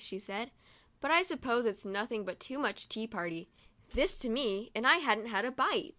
she said; "but I suppose it's nothing but too much tea party." This to me, and I hadn't had a bite